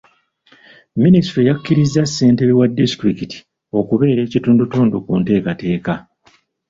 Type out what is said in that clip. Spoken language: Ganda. Minisitule yakkiriza ssentebe wa disitulikiti okubeera ekitundutundu ku nteekateeka.